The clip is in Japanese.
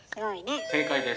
・正解です。